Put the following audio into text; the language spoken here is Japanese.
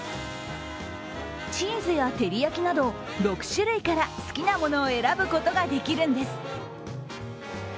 チーズや照り焼きなど６種類から好きなものを選ぶことができるんです。